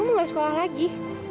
kamu nggak sekolah lagi